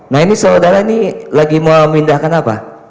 nah ini saudara ini lagi mau memindahkan apa